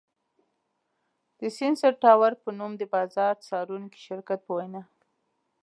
د سېنسر ټاور په نوم د بازار څارونکي شرکت په وینا